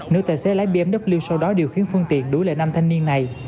nữ tài xế lái bmw sau đó điều khiển phương tiện đuổi lại nam thanh niên này